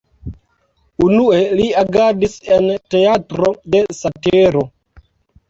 Unue li agadis en Teatro de satiro.